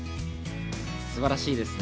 素晴らしいですね。